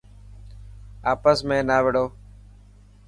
آپس ۾ نا وڙو.